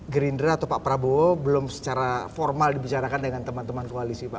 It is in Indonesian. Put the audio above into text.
gerindra atau pak prabowo belum secara formal dibicarakan dengan teman teman koalisi pak